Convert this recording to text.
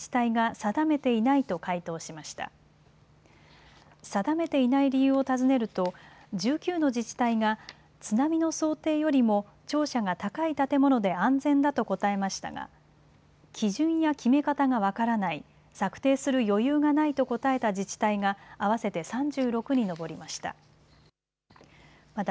定めていない理由を尋ねると１９の自治体が津波の想定よりも庁舎が高い建物で安全だと答えましたが基準や決め方が分からない、策定する余裕がないと答えた自治体が合わせて３６に上りました。